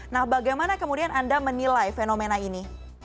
nah bagaimana kemudian anda menilai fenomena ini